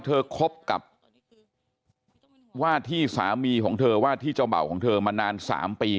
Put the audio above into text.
คบกับว่าที่สามีของเธอว่าที่เจ้าเบ่าของเธอมานาน๓ปี